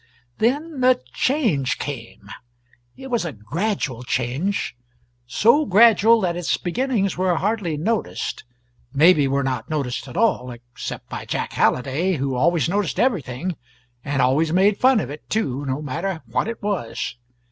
Then a change came. It was a gradual change; so gradual that its beginnings were hardly noticed; maybe were not noticed at all, except by Jack Halliday, who always noticed everything; and always made fun of it, too, no matter what it was.